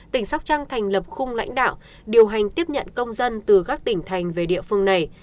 tỉnh sóc trăng thành lập khung lãnh đạo điều hành tiếp nhận công dân từ các tỉnh thành về địa phương này